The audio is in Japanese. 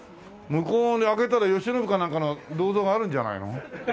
向こう開けたら「よしのぶ」かなんかの銅像があるんじゃないの？